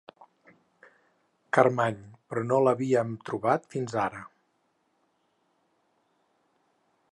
Carmany— però no l'havíem trobat fins ara.